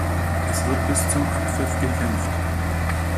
Es wird bis zum Abpfiff gekämpft.